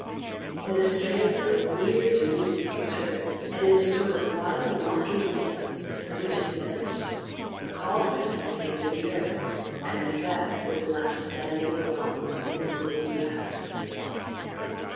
Then a strain of weird music was heard, and in a sort of wild, mocking dance the witches vanished, the cauldron sank into the earth, and Macbeth was left standing alone in the gloomy cavern.